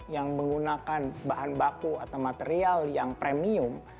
yang menggunakan bahan baku atau material yang premium